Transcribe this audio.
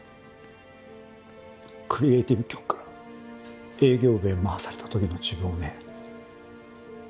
クリエイティブ局から営業部へ回された時の自分をね。